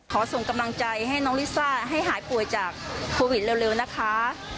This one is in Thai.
ส่งกำลังใจให้น้องลิซ่าให้หายป่วยจากโควิดเร็วนะคะ